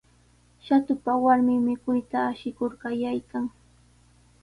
Shatupa warmin mikuyta ashikur qallaykan.